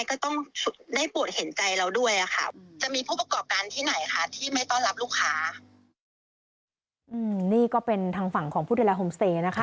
นี่ก็เป็นทางฝั่งของผู้ดูแลโฮมเซนะคะ